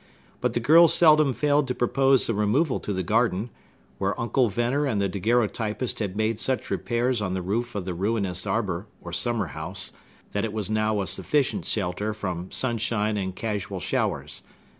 But the girl seldom failed to propose a removal to the garden, where Uncle Venner and the daguerreotypist had made such repairs on the roof of the ruinous arbor, or summer house, that it was now a sufficient shelter from sunshine and casual showers.